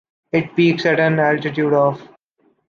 It peaks at an altitude of